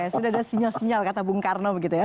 sudah ada sinyal sinyal kata bung karno begitu ya